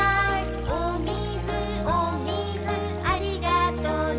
「おみずおみずありがとね」